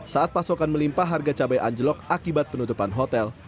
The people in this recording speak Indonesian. saat pasokan melimpa harga cabai anjlok akibat penutupan hotel